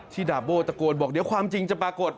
ดาบโบ้ตะโกนบอกเดี๋ยวความจริงจะปรากฏ